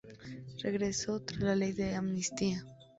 Regresó tras la ley de amnistía.